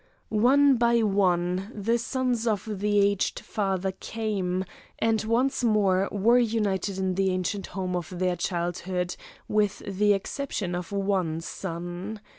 "One by one the sons of the aged father came, and once more were united in the ancient home of their childhood, with the exception of one son.